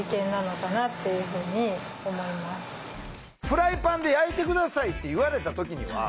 「フライパンで焼いて下さい」って言われた時には？